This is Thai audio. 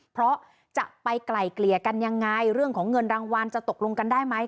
เพราะจะไปไกล่เกลี่ยกันยังไงเรื่องของเงินรางวัลจะตกลงกันได้ไหม